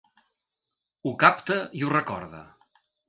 Ho capta i ho recorda.